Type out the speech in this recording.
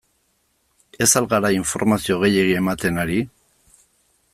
Ez al gara informazio gehiegi ematen ari?